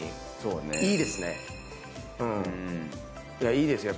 いいですよ。